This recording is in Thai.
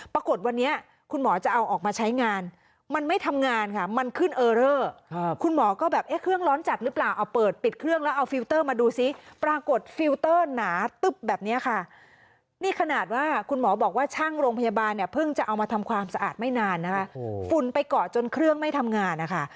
ปรากฏวันนี้คุณหมอจะเอาออกมาใช้งานมันไม่ทำงานค่ะมันขึ้นเออเรอร์คุณหมอก็แบบเอ๊ะเครื่องร้อนจัดหรือเปล่าเอาเปิดปิดเครื่องแล้วเอาฟิลเตอร์มาดูซิปรากฏฟิลเตอร์หนาตึ๊บแบบนี้ค่ะนี่ขนาดว่าคุณหมอบอกว่าช่างโรงพยาบาลเนี่ยเพิ่งจะเอามาทำความสะอาดไม่นานนะคะฝุ่นไปเกาะจนเครื่องไม่ทำงานนะคะ